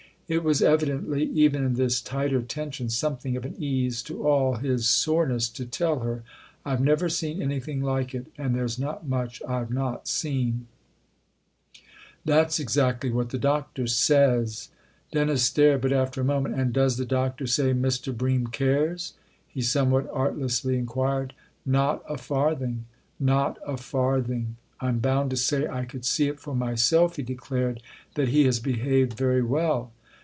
It was evidently, even in this tighter tension, something of an ease to all his soreness to tell her. " I've never seen anything like it and there's not much I've not seen." THE OTHER HOUSE 265 "That's exactly what the Doctor says !" Dennis stared, but after a moment, "And does the Doctor say Mr. Bream cares ?" he somewhat artlessly inquired. " Not a farthing." " Not a farthing. I'm bound to say I could see it for myself," he declared, "that he has behaved very well."